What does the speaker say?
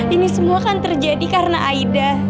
ini semua kan terjadi karena aida